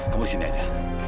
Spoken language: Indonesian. kamu disini aja